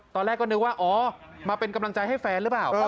ตอนแรกก็นึกว่าอ๋อมาเป็นกำลังใจให้แฟนหรือเปล่า